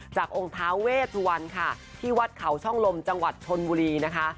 องค์ท้าเวสวรรณค่ะที่วัดเขาช่องลมจังหวัดชนบุรีนะคะ